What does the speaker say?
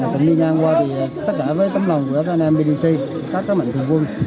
tỉnh bình dương qua thì tất cả với tấm lòng của các anh em bdc các các mạnh thường quân